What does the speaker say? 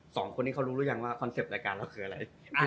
สองคนนี้เขารู้หรือยังว่าคอนเซ็ปต์รายการเราคืออะไร